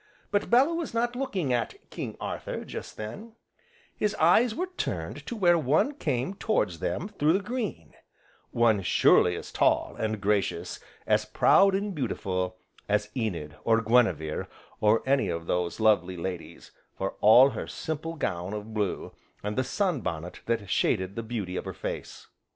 But Bellew was not looking at "King Arthur" just then; his eyes were turned to where one came towards them through the green, one surely as tall, and gracious, as proud and beautiful, as Enid, or Guinevere, or any of those lovely ladies, for all her simple gown of blue, and the sunbonnet that shaded the beauty of her face.